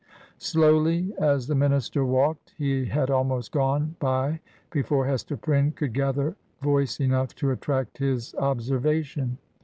"Slowly as the minister walked, he had almost gone by before Hester Prynne could gather voice enough to attract his observation.